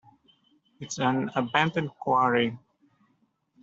It is an abandoned Quarry.